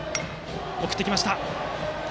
送ってきました。